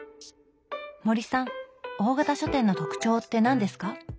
森さん大型書店の特徴って何ですか？